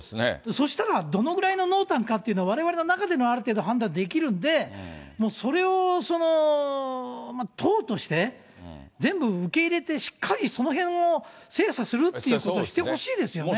そしたら、どのくらいの濃淡かっていうのは、われわれの中ではある程度判断できるんで、もうそれを党として、全部受け入れて、しっかりそのへんを精査するっていうことしてほしいですよね。